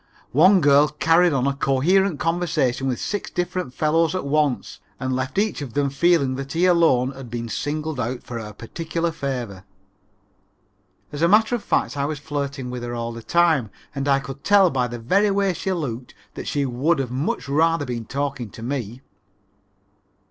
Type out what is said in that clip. One girl carried on a coherent conversation with six different fellows at once and left each of them feeling that he alone had been singled out for her particular favor. As a matter of fact I was flirting with her all the time and I could tell by the very way she looked that she would have much rather been talking to me.